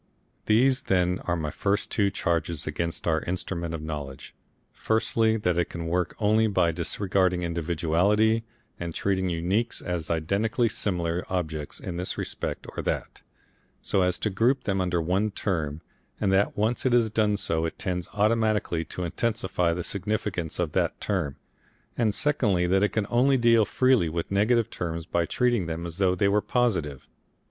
These then are my first two charges against our Instrument of Knowledge, firstly, that it can work only by disregarding individuality and treating uniques as identically similar objects in this respect or that, so as to group them under one term, and that once it has done so it tends automatically to intensify the significance of that term, and secondly, that it can only deal freely with negative terms by treating them as though they were positive.